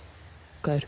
帰る。